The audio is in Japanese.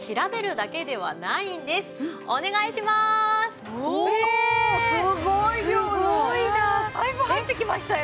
だいぶ入ってきましたよ。